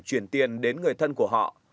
chuyển tiền đến người thân của họ